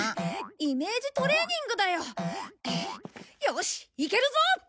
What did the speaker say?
イメージトレーニングだよ。よし！いけるぞ！